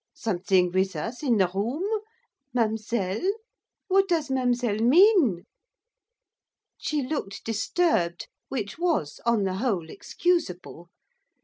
'Something with us in the room? Mademoiselle? What does mademoiselle mean?' She looked disturbed, which was, on the whole, excusable.